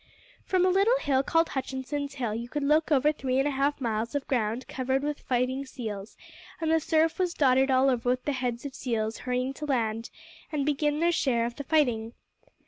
From a little hill called Hutchinson's Hill, you could look over three and a half miles of ground covered with fighting seals; and the surf was dotted all over with the heads of seals hurrying to land and begin their share of the fighting.